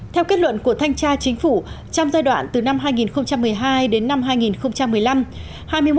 theo kết luận của thanh tra chính phủ trong giai đoạn từ năm hai nghìn một mươi hai đến năm hai nghìn một mươi năm